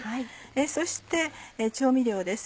そして調味料です。